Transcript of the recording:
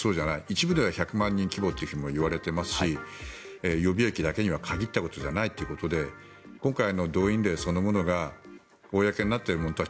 一部では１００万人規模ともいわれていますし、予備役だけに限ったことじゃないということで今回、動員令そのものが公になっているものと